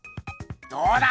どうだ！